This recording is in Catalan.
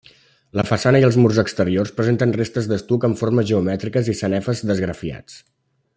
La façana i els murs exteriors presenten restes d'estuc amb formes geomètriques i sanefes d'esgrafiats.